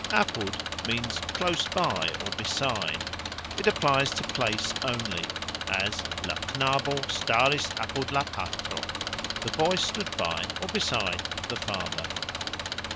"Apud" means "close by, beside." It applies to place only, as "La knabo staris apud la patro", The boy stood by, or beside, the father.